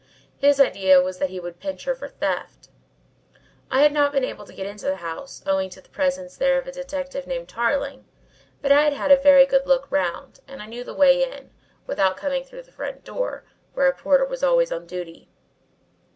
His idea was that he would pinch her for theft. I had not been able to get into the house, owing to the presence there of a detective named Tarling, but I had had a very good look round and I knew the way in, without coming through the front door, where a porter was always on duty.